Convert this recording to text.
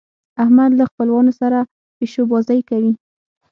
احمد له خپلوانو سره پيشو بازۍ کوي.